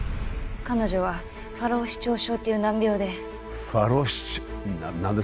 彼女はファロー四徴症っていう難病でファロー四徴何だ？